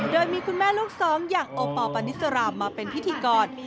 โดยมีคุณแม่ลูกสองอย่างโอปอลปานิสรามมาเป็นพิธีกร